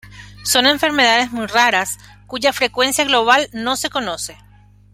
Son enfermedades muy raras, cuya frecuencia global no se conoce.